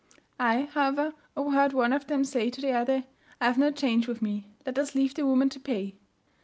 I, however, overheard one of them say to the other "I have no change with me, let us leave the woman to pay."